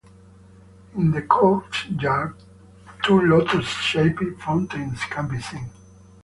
In the courtyard two lotus shaped fountains can be seen.